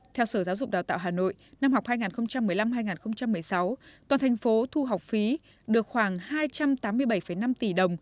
theo sở giáo dục đào tạo hà nội năm học hai nghìn một mươi năm hai nghìn một mươi sáu toàn thành phố thu học phí được khoảng hai trăm tám mươi bảy năm tỷ đồng